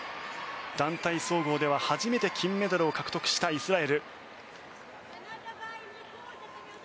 団体総合では初めて金メダルを獲得したイスラエル。